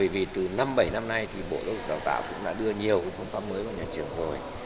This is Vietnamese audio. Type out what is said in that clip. vì từ năm bảy năm nay thì bộ đạo tạo cũng đã đưa nhiều phương pháp mới vào nhà trường rồi